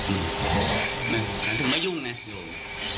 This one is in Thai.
อืมฉันถึงมายุ่งเนี่ยโยม